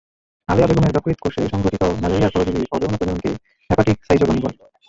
আলেয়া বেগমের যকৃৎ কোষে সংঘটিত ম্যালেরিয়ার পরজীবীর অযৌন প্রজননকে হেপাটিক সাইজোগনি বলে।